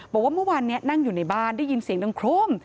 บอกว่าเมื่อวานนี้นั่งอยู่ในบ้านได้ยินเสียงดังโครม